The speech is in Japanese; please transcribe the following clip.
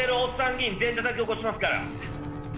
議員全員たたき起こしますから。